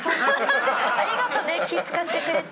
ありがとね気ぃ使ってくれて。